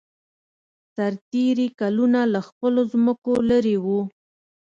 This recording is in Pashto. سرتېري کلونه له خپلو ځمکو لېرې وو